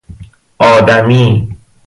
آدمی